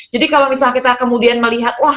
jadi kalau misalnya kita kemudian melihat